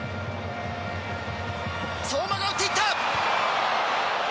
相馬が打っていった。